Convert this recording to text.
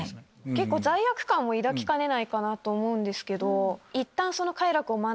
罪悪感も抱きかねないかなと思うんですけど。